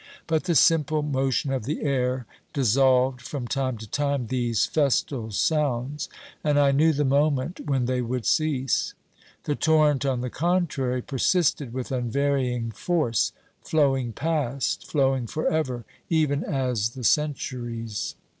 But the simple motion of the air dissolved from time to time these festal sounds, and I knew the moment when they would cease. The torrent, on the contrary, persisted with unvarying force, flowing past, flowing for ever, even as the OBERMANN 389 centuries.